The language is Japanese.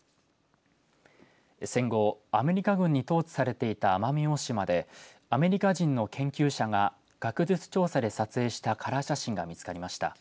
戦後アメリカ軍に統治されていた奄美大島でアメリカ人の研究者が学術調査で撮影したカラー写真が見つかりました。